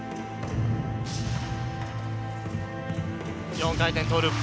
４回転トーループ。